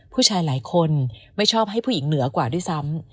ผู้ชายหลายคนไม่ชอบให้ผู้หญิงเหนือกว่าด้วยซ้ำ